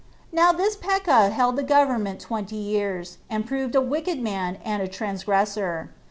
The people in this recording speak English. Now this Pekah held the government twenty years, and proved a wicked man and a transgressor.